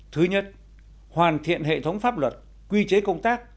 thứ nhất hoàn thiện hệ thống pháp luật quy chế công tác